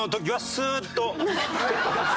スーッと。